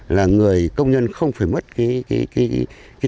là người công nhân không phải mất cái